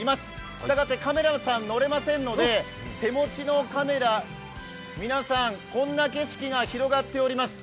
したがってカメラさんは乗れませんので手持ちのカメラ皆さん、こんな景色が広がっております。